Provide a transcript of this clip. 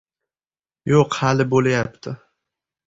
— Yo‘q, hali bo‘layapti.